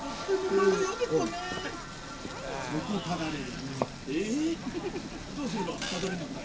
そこただれる」。